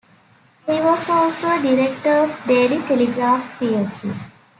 He was also a director of Daily Telegraph plc.